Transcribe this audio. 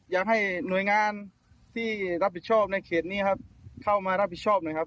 อยากให้หน่วยงานที่รับผิดชอบในเขตนี้ครับเข้ามารับผิดชอบหน่อยครับ